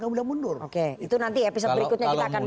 kamu udah mundur itu nanti episode berikutnya kita akan bahas